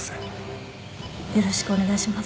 よろしくお願いします